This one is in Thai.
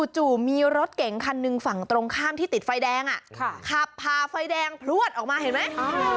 จู่มีรถเก๋งคันหนึ่งฝั่งตรงข้ามที่ติดไฟแดงขับพาไฟแดงพลวดออกมาเห็นไหม